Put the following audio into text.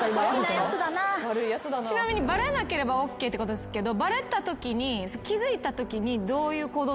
ちなみにバレなければＯＫってことですけど。